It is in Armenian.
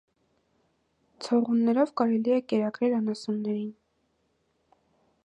Ցողուններով կարելի է կերակրել անասուններին։